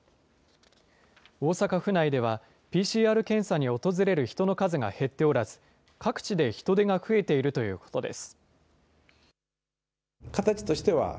大阪府内では、ＰＣＲ検査に訪れる人の数が減っておらず、各地で人出が増えているということです。